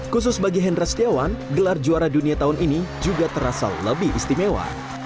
khusus bagi hendra setiawan gelar juara dunia tahun ini juga terasa lebih istimewa